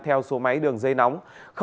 theo số máy đường dây nóng